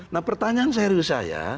nah pertanyaan serius saya